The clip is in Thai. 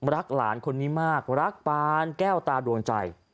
รักหลานคนนี้มากรักปานแก้วตาดวงใจ